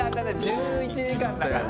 １１時間だから。